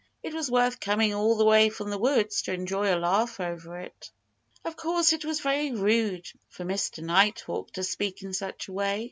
It was worth coming all the way from the woods to enjoy a laugh over it." Of course it was very rude for Mr. Nighthawk to speak in such a way.